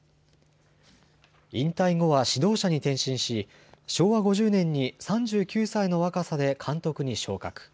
引退後は指導者に転身し昭和５０年に３９歳の若さで監督に昇格。